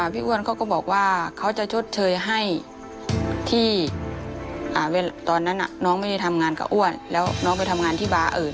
อ้วนเขาก็บอกว่าเขาจะชดเชยให้ที่ตอนนั้นน้องไม่ได้ทำงานกับอ้วนแล้วน้องไปทำงานที่บาร์อื่น